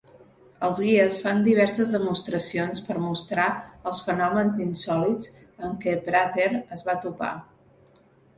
Els guies fan diverses demostracions per mostrar els fenòmens insòlits amb què Prather es va topar.